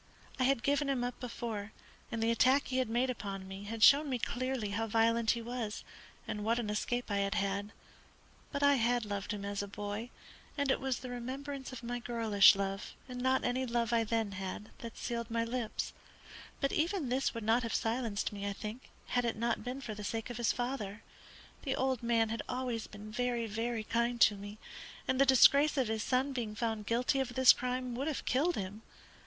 I had given him up before, and the attack he made upon me had shown me clearly how violent he was, and what an escape I had had; but I had loved him as a boy, and it was the remembrance of my girlish love, and not any love I then had, that sealed my lips; but even this would not have silenced me, I think, had it not been for the sake of his father. The old man had always been very, very kind to me, and the disgrace of his son being found guilty of this crime would have killed him.